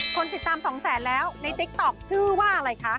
คนติดตามสองแสนแล้วในติ๊กต๊อกชื่อว่าอะไรคะ